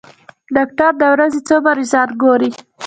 ډاکټر د ورځې څو مريضان ګوري؟